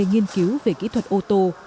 nhiên cứu về kỹ thuật ô tô